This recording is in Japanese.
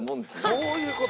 そういう事！